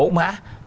những cái mẫu mã